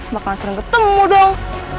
maka langsung ketemu dong